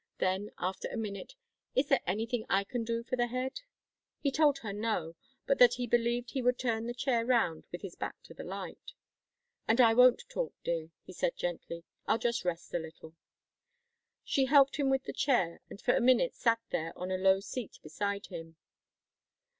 Then, after a minute: "Is there anything I can do for the head?" He told her no, but that he believed he would turn the chair around with his back to the light. "And I won't talk, dear," he said gently; "I'll just rest a little." She helped him with the chair and for a minute sat there on a low seat beside him.